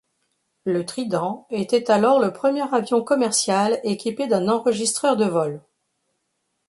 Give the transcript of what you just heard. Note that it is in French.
Le Trident était alors le premier avion commercial équipé d'un enregistreur de vol.